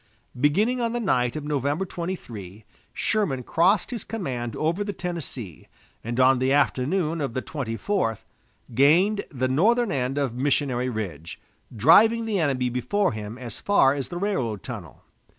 Beginning on the night of November 23, Sherman crossed his command over the Tennessee, and on the afternoon of the twenty fourth gained the northern end of Missionary Ridge, driving the enemy before him as far as the railroad tunnel.